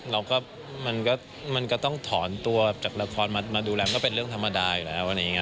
เราก็มันก็ต้องถอนตัวจากละครมาดูแลมันก็เป็นเรื่องธรรมดาอยู่แล้วอะไรอย่างนี้